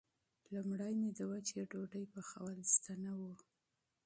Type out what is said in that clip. لومړی مې د وچې ډوډۍ پخول زده نه و.